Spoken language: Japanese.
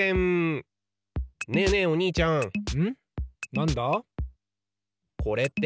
なんだ？